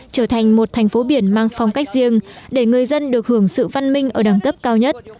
trở thành một thành phố biển mang phong cách riêng để người dân được hưởng sự văn minh ở đẳng cấp cao nhất